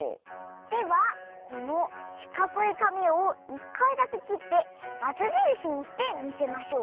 ではこのしかくいかみを１かいだけきってバツじるしにしてみせましょう。